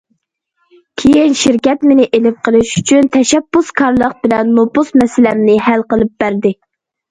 كېيىن شىركەت مېنى ئېلىپ قېلىش ئۈچۈن تەشەببۇسكارلىق بىلەن نوپۇس مەسىلەمنى ھەل قىلىپ بەردى.